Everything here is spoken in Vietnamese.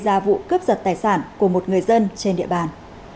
đối tượng là vụ cướp giật tài sản của một người dân trên địa bàn